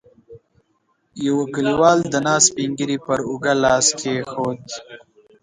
يوه کليوال د ناست سپين ږيری پر اوږه لاس کېښود.